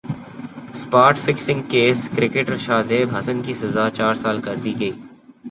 spot fixing case cricketer Shahzaib Hasan کی سزا چار سال کر دی گئی